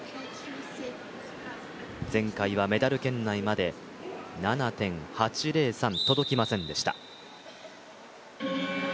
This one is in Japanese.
前回はメダル圏内まで７．８０３届きませんでした。